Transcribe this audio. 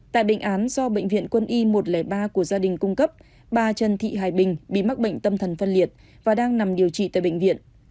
tại bệnh án do bệnh viện quân y một trăm linh ba của gia đình cung cấp bà trần thị hải bình bị mắc bệnh tâm thần phân liệt và đang nằm điều trị tại bệnh viện